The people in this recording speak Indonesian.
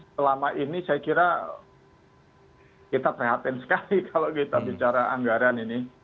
selama ini saya kira kita prihatin sekali kalau kita bicara anggaran ini